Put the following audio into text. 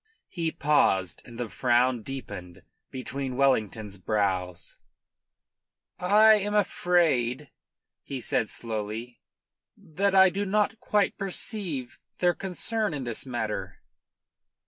He paused, and the frown deepened between Wellington's brows. "I am afraid," he said slowly, "that I do not quite perceive their concern in this matter."